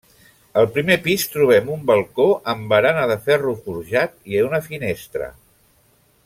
Al primer pis trobem un balcó amb barana de ferro forjat i una finestra.